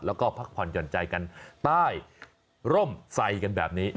แล้วก็พักผ่อนหย่อนใจกันใต้ร่มใส่กันแบบนี้